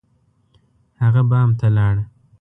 هغه بام ته لاړ.